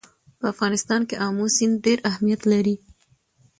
په افغانستان کې آمو سیند ډېر اهمیت لري.